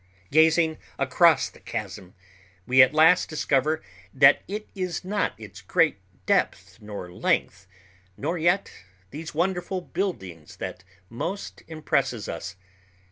Gazing across the mighty chasm, we at last discover that it is not its great depth nor length, nor yet these wonderful buildings, that most impresses us.